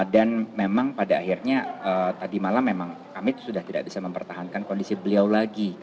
dan memang pada akhirnya tadi malam memang kami sudah tidak bisa mempertahankan kondisi beliau lagi